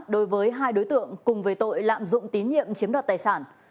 đối với hai đối tượng cùng về tội lạm dụng tín nhiệm chiếm đoạt tài sản